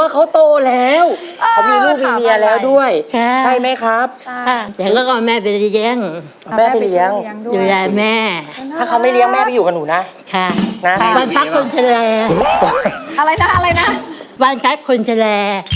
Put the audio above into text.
คุณแม่น่าร้องอ่ะ